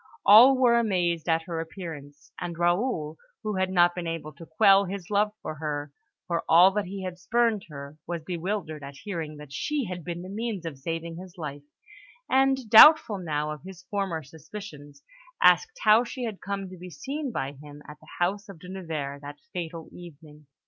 All were amazed at her appearance; and Raoul, who had not been able to quell his love for her, for all that he had spurned her, was bewildered at hearing that she had been the means of saving his life, and, doubtful now of his former suspicions, asked how she had come to be seen by him at the house of De Nevers that fatal evening.